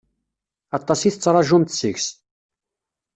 Aṭas i tettṛaǧumt seg-s.